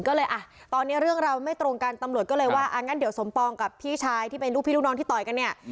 ก็เลยอ่ะตอนนี้เรื่องราวไม่ตรงกันตำรวจก็เลยว่าอ่างั้นเดี๋ยวสมปองกับพี่ชายที่เป็นลูกพี่ลูกน้องที่ต่อยกันเนี่ย